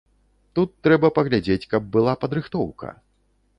Тут трэба паглядзець, каб была падрыхтоўка.